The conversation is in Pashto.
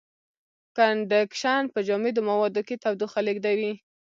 کنډکشن په جامدو موادو کې تودوخه لېږدوي.